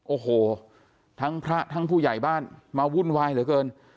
โอ้โหทั้งพระทั้งผู้ใหญ่บ้านมาวุ่นวายเหลือเกิน